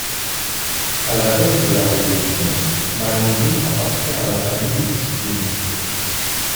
À la veille de la Révolution, Malandry appartient à la famille de Custine.